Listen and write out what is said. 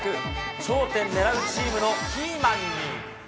頂点狙うチームのキーマンに。